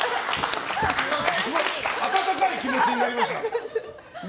温かい気持ちになりました。